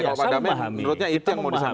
kalau pak damai menurutnya itu yang mau disampaikan